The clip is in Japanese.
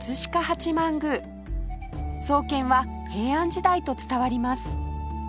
創建は平安時代と伝わります